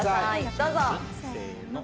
どうぞ！せーの。